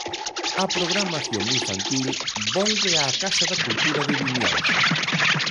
A programación infantil volve á Casa da Cultura de Vimianzo.